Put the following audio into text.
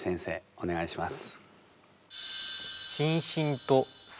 お願いします。